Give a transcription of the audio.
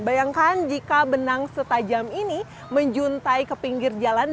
bayangkan jika benang setajam ini menjuntai ke pinggir jalan